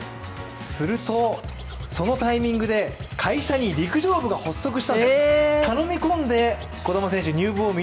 すると、そのタイミングで会社に陸上部が発足したんです。